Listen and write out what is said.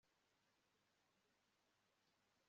Ingaruka zigera ku ntekerezo numubiri kubwo